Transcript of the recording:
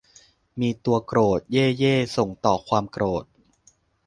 มีตัวโกรธ เย้ เย้ ส่งต่อความโกรธ